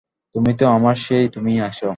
তুমি তো আমার সেই তুমিই আছ।